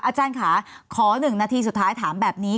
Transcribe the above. อาจารย์ค่ะขอ๑นาทีสุดท้ายถามแบบนี้